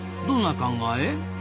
どんな考え？